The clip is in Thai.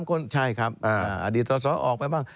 ๒๓คนใช่ครับอดีตส่วนส่วนออกไปบ้าง